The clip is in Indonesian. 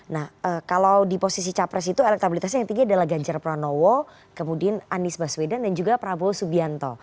nah kalau di posisi capres itu elektabilitasnya yang tinggi adalah ganjar pranowo kemudian anies baswedan dan juga prabowo subianto